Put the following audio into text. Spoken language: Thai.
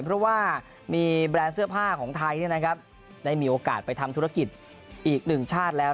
เพราะว่ามีแบรนด์เสื้อผ้าของไทยได้มีโอกาสไปทำธุรกิจอีกหนึ่งชาติแล้ว